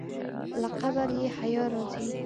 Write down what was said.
له قبره یې حیا راځي.